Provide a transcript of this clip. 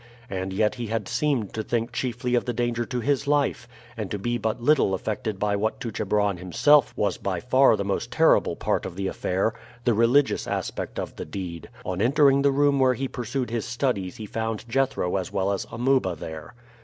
And yet he had seemed to think chiefly of the danger to his life, and to be but little affected by what to Chebron himself was by far the most terrible part of the affair the religious aspect of the deed. On entering the room where he pursued his studies he found Jethro as well as Amuba there.